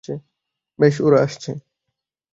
বেশ, ওরা আসছে।